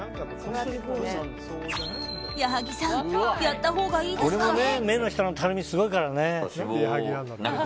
矢作さんやったほうがいいですかね？